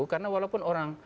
karena walaupun orang